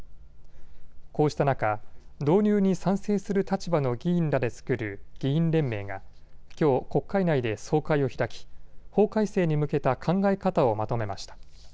こうした中、導入に賛成する立場の議員らで作る議員連盟がきょう国会内で総会を開き法改正に向けた考え方をまとめました。